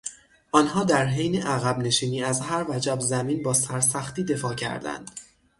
آنها در حین عقبنشینی از هر وجب زمین با سرسختی دفاع کردند.